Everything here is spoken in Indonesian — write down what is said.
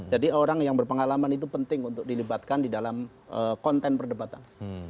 orang yang berpengalaman itu penting untuk dilibatkan di dalam konten perdebatan